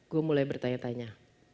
gue mulai bertanya tanya